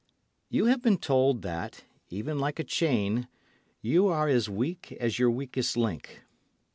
You have been told that, even like a chain, you are as weak as your weakest link.